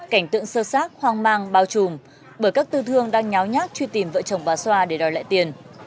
cảnh tượng sơ sát hoang mang bao trùm bởi các tư thương đang nháo nhác truy tìm vợ chồng bà xoa để đòi lại tiền